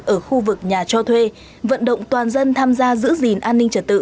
ở khu vực nhà cho thuê vận động toàn dân tham gia giữ gìn an ninh trật tự